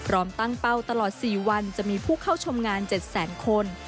ตั้งเป้าตลอด๔วันจะมีผู้เข้าชมงาน๗แสนคน